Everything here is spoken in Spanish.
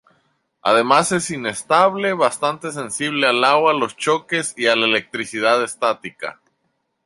Además, es inestable y bastante sensible al agua, los choques y al electricidad estática.